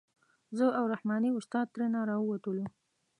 زه او رحماني استاد ترېنه راووتلو.